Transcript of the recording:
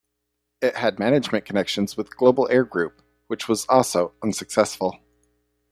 It had management connections with Global Air Group, which was also unsuccessful.